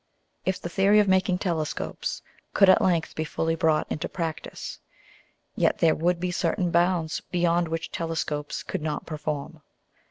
If the Theory of making Telescopes could at length be fully brought into Practice, yet there would be certain Bounds beyond which Telescopes could not perform.